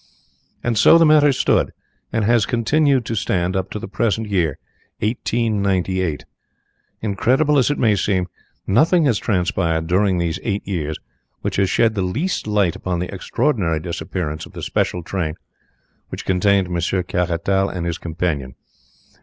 And so the matter stood, and has continued to stand up to the present year of 1898. Incredible as it may seem, nothing has transpired during these eight years which has shed the least light upon the extraordinary disappearance of the special train which contained Monsieur Caratal and his companion.